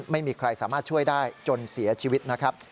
ไม่มีใครสามารถช่วยได้จนเสียชีวิตนะครับ